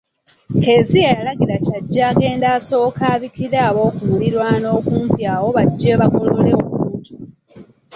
Kezia yalagira Kyajja agende asooke abikire abookumuliraano okumpi awo bajje bagolole omuntu.